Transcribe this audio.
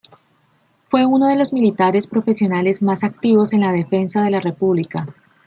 Fue uno de los militares profesionales más activos en la defensa de la República.